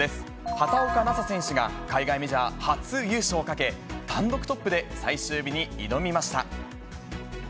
畑岡奈紗選手が海外メジャー初優勝をかけ、単独トップで最終日に挑みました。